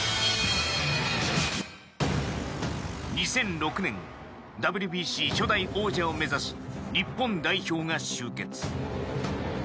２００６年ＷＢＣ初代王者を目指し日本代表が集結。